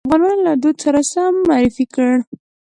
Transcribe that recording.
د افغانانو له دود سره سم معرفي کړ.